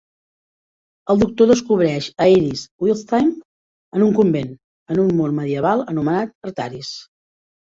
El Doctor descobreix a Iris Wildthyme en un convent, en un món medieval anomenat Artaris.